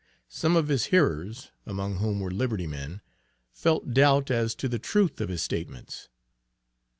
Some of his hearers, among whom were Liberty men, felt doubt as to the truth of his statements.